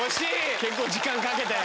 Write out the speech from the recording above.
結構時間かけて。